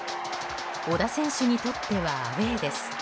小田選手にとってはアウェーです。